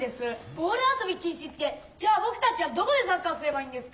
ボール遊び禁止ってじゃあぼくたちはどこでサッカーすればいいんですか？